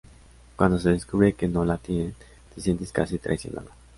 Cuando se descubre que no lo tienen, te sientes casi traicionado.